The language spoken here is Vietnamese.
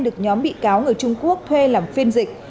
được nhóm bị cáo người trung quốc thuê làm phiên dịch